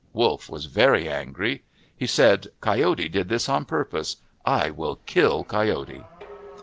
Wolf was very angry. He said, " Coyote did this on purpose. I will kill Coyote."